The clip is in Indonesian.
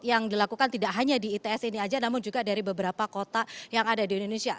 yang dilakukan tidak hanya di its ini saja namun juga dari beberapa kota yang ada di indonesia